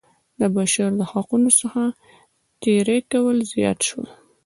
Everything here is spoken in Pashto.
د بشر د حقونو څخه تېری کول زیات شول.